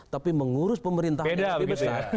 tapi mengurus pemerintahan itu besar